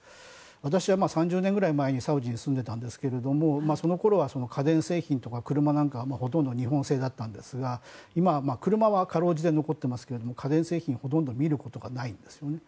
私は３０年ぐらい前にサウジに住んでいたんですけれどもそのころは家電製品とか車なんかはほとんど日本製だったんですが今は車はかろうじて残っていますけれども家電製品はほとんど見ることがないんですよね。